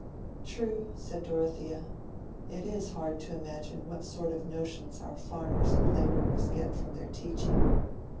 "True," said Dorothea. "It is hard to imagine what sort of notions our farmers and laborers get from their teaching.